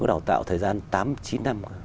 có đào tạo thời gian tám chín năm